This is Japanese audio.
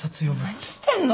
何してんの！？